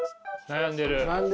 悩んでる。